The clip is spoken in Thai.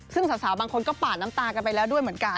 ซึ่งสาวบางคนก็ปาดน้ำตากันไปแล้วด้วยเหมือนกัน